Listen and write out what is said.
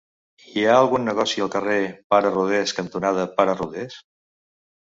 Hi ha algun negoci al carrer Pare Rodés cantonada Pare Rodés?